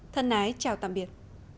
thân ái chào tạm biệt